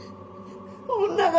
女が。